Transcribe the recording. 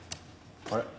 あれ？